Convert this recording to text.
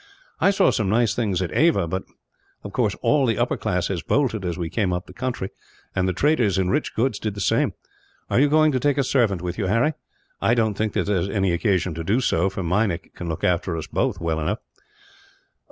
"I saw some nice things at Ava but, of course, all the upper classes bolted as we came up the country; and the traders in rich goods did the same. Are you going to take a servant with you, Harry? I don't think that there is any occasion to do so, for Meinik can look after us both, well enough."